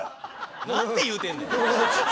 何て言うてんねん！